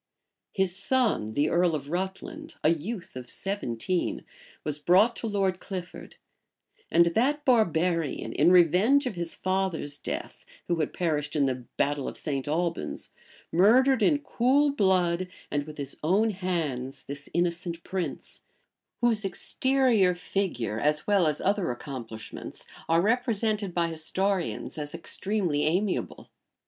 His son, the earl of Rutland, a youth of seventeen, was brought to Lord Clifford; and that barbarian, in revenge of his father's death, who had perished in the battle of St. Albans, murdered in cool blood, and with his own hands, this innocent prince, whose exterior figure, as well as other accomplishments, are represented by historians as extremely amiable.